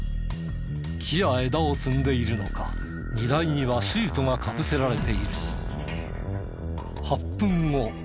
木や枝を積んでいるのか荷台にはシートがかぶせられている。